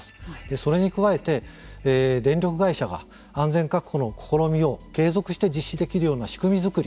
それに加えて電力会社が安全確保の試みを継続して実施できるような仕組み作り